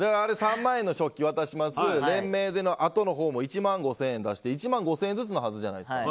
３万円の食器渡します連名であとのほうも１万５０００円出して１万５０００円ずつじゃないですか。